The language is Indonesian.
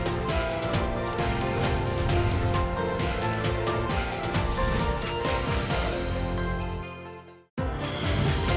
namanya bagian makanan baik